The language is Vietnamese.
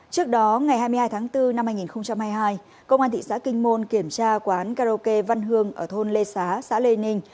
trước đó ngày hai mươi hai tháng bốn năm hai nghìn hai mươi hai công an thị xã kinh môn kiểm tra quán karaoke văn hương ở thôn lê xá xã lê ninh